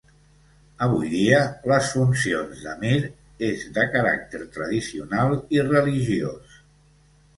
Avui dia, les funcions d'emir és de caràcter tradicional i religiós.